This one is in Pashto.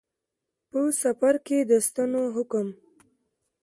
په. سفر کې د سنتو حکم